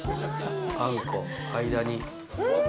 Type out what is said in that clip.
あんこ、間に。